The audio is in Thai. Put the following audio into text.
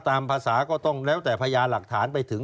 ตามภาษาก็ต้องแล้วแต่พยานหลักฐานไปถึง